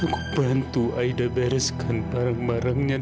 kok bapak beresin barang barangnya